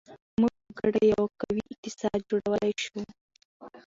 موږ په ګډه یو قوي اقتصاد جوړولی شو.